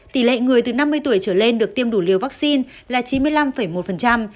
tỷ lệ người từ năm mươi tuổi trở lên được tiêm đủ liều vaccine là chín mươi năm một